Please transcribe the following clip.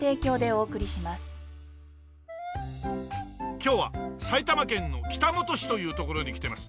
今日は埼玉県の北本市という所に来てます。